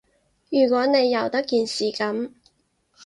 如果你由得件事噉